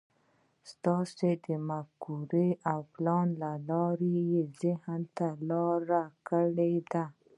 ستاسې د مفکورو او پلان له لارې يې ذهن ته لاره کړې ده.